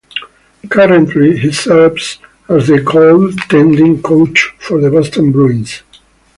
Currently, he serves as the goaltending coach for the Boston Bruins.